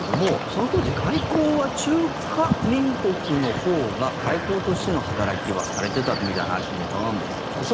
その当時外交は中華民国のほうが外交としての働きはされてたみたいな話も伺うんですけど。